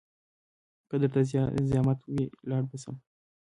که درته زيامت وي لاړ به سم.